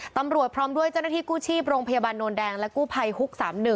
พร้อมด้วยเจ้าหน้าที่กู้ชีพโรงพยาบาลโนนแดงและกู้ภัยฮุก๓๑